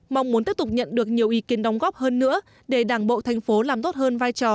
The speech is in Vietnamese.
mong muốn tiếp tục nhận được nhiều ý kiến đóng góp hơn nữa để đảng bộ thành phố làm tốt hơn vai trò